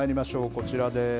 こちらです。